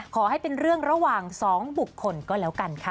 ขอให้เป็นเรื่องระหว่าง๒บุคคลก็แล้วกันค่ะ